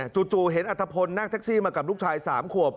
จู่เห็นอัตภพลนั่งแท็กซี่มากับลูกชาย๓ขวบ